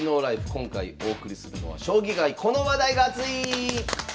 今回お送りするのは「将棋界・この話題がアツい！」。